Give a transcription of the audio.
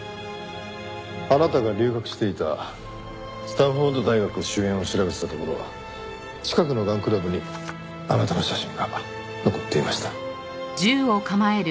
あなたが留学していたスタンフォード大学周辺を調べてたところ近くのガンクラブにあなたの写真が残っていました。